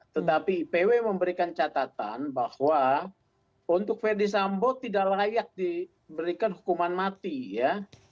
tetapi ipw memberikan catatan bahwa untuk verdi sambo tidak layak diberikan hukuman mati ya